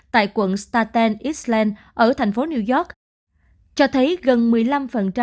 tại quận starten island ở thành phố new york cho thấy gần một mươi năm